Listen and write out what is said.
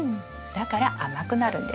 だから甘くなるんです。